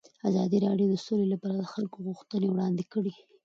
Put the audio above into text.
ازادي راډیو د سوله لپاره د خلکو غوښتنې وړاندې کړي.